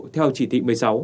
theo chỉ thị một mươi sáu